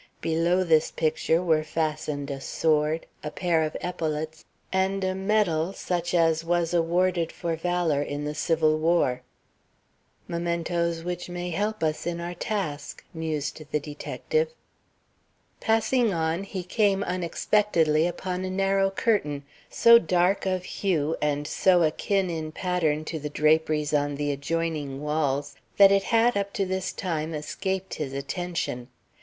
Below this picture were fastened a sword, a pair of epaulettes, and a medal such as was awarded for valor in the civil war. "Mementoes which may help us in our task," mused the detective. Passing on, he came unexpectedly upon a narrow curtain, so dark of hue and so akin in pattern to the draperies on the adjoining walls that it had up to this time escaped his attention.